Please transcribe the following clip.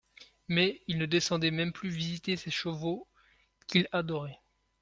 Mais, il ne descendait même plus visiter ses chevaux, qu'il adorait.